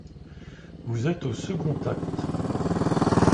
Vous êtes au second acte.